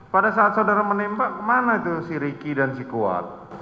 pada saat saudara menembak kemana itu si riki dan si kuat